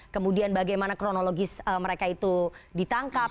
kemudian bagaimana kronologis mereka itu ditangkap